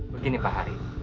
begini pak hari